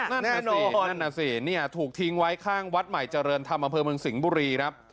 นั่นสินั่นน่ะสิเนี่ยถูกทิ้งไว้ข้างวัดใหม่เจริญธรรมอำเภอเมืองสิงห์บุรีครับ